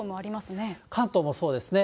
関東もそうですね。